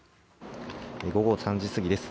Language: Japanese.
午後３時過ぎです。